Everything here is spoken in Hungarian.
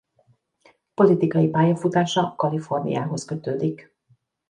Politikai pályafutása Kaliforniához kötődik.